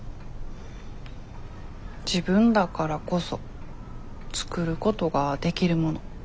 自分だからこそ作ることができるもの。